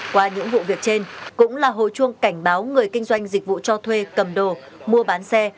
qua những vụ việc trên cũng là hồi chuông cảnh báo người kinh doanh dịch vụ cho thuê cầm đồ mua bán xe